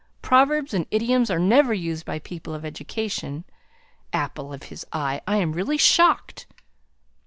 Proverbs and idioms are never used by people of education. 'Apple of his eye!' I am really shocked."